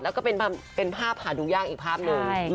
แล้วก็เป็นภาพหาดูยากอีกภาพหนึ่ง